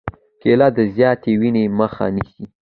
کېله د زیاتې وینې مخه نیسي.